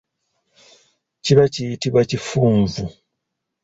Kiba kiyitibwa kifunvu.